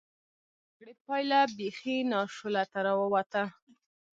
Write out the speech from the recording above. د لورن جګړې پایله بېخي ناشولته را ووته.